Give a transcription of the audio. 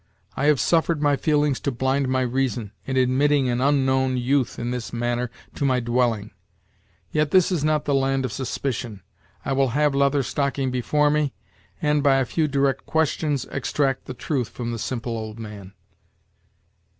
I have suffered my feelings to blind my reason, in admitting an unknown youth in this manner to my dwelling; yet this is not the land of suspicion. I will have Leather Stocking before me, and, by a few direct questions, extract the truth from the simple old man."